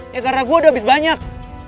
ya karena gua udah abis banyak